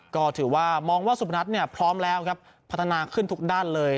ก็ถือว่ามองว่าสุพนัทเนี่ยพร้อมแล้วครับพัฒนาขึ้นทุกด้านเลย